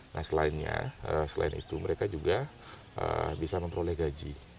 nah selainnya selain itu mereka juga bisa memperoleh gaji